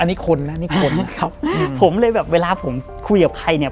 อันนี้คนนะนี่คนนะครับผมเลยแบบเวลาผมคุยกับใครเนี่ย